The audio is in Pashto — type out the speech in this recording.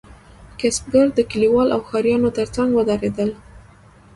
کسبګر د کلیوالو او ښاریانو ترڅنګ ودریدل.